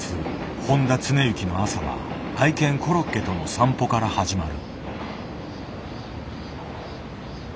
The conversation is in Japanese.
誉田恒之の朝は愛犬コロッケとの散歩から始まる。